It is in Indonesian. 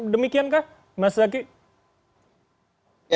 demikian kak mas zaky